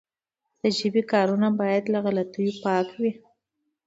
د ژبي کارونه باید له غلطیو پاکه وي.